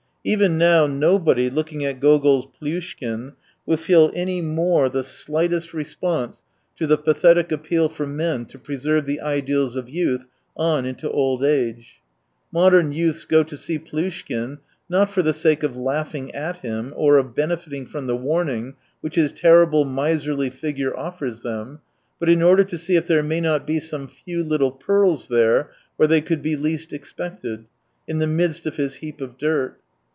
Even now nobody, looking at Gogol's Plyushkin, will feel any more the slightest 107 response to the pathetic appeal for men to preserve the ideals of youth on into old age. Modern youths go to see Plyushkin, not for the sake of laughing at him or of benefiting from the warning which his terrible miserly figure offers them, but in order to see if there may not be some few little pearls there where they could be least expected, in the midst of his heap of dirt.